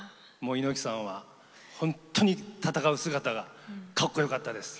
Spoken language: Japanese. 猪木さんは本当に戦う姿がかっこよかったです。